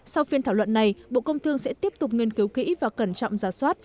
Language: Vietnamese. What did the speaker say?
sau phiên thảo luận này bộ công thương sẽ tiếp tục nghiên cứu kỹ và cẩn trọng giả soát